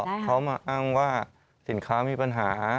เขามาอ้างว่าสินค้ามีปัญหา